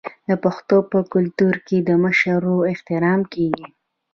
د پښتنو په کلتور کې د مشر ورور احترام کیږي.